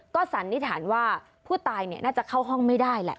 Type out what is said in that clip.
สันนิษฐานว่าผู้ตายน่าจะเข้าห้องไม่ได้แหละ